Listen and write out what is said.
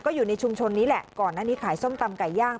อยู่ในชุมชนนี้แหละก่อนหน้านี้ขายส้มตำไก่ย่าง